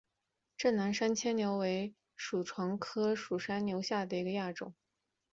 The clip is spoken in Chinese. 滇南山牵牛为爵床科山牵牛属下的一个亚种。